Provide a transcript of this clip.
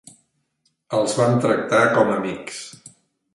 Els vam tractar com amics.